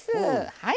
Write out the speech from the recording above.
はい。